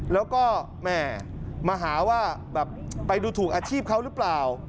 แล้วก็แม่มาหาว่าแบบไปดูถูกอาชีพเขาหรือเปล่า